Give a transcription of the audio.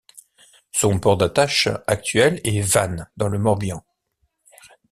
Son port d'attache actuel est Vannes dans le Morbihan.